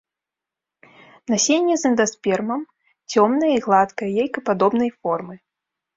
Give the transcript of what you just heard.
Насенне з эндаспермам, цёмнае і гладкае, яйкападобнай формы.